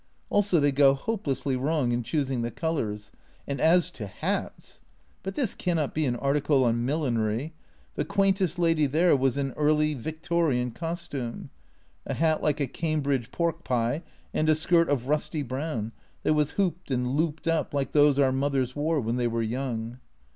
Also they go hopelessly wrong in choosing the colours. And as to hats ! But this cannot be an article on millinery. The quaintest lady there was in early Victorian costume a hat like a Cambridge pork pie and a skirt of rusty brown, that was hooped and looped up like those our mothers wore when they were young.